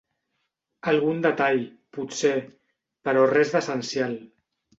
Algun detall, potser, però res d'essencial.